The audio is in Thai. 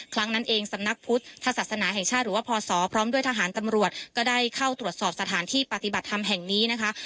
ครั้งนั้นเองสำนักพุทธศาสนาแห่งชาติหรือว่าพศพร้อมด้วยทหารตำรวจก็ได้เข้าตรวจสอบสถานที่ปฏิบัติธรรมแห่งนี้นะคะ